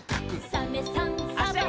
「サメさんサバさん」